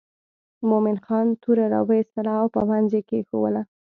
مومن خان توره را وایستله او په منځ یې کېښووله.